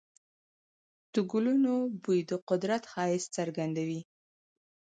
د ګلونو بوی د قدرت ښایست څرګندوي.